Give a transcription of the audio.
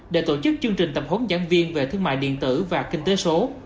để tổ chức chương trình tập huấn giảng viên về thương mại điện tử và kinh tế số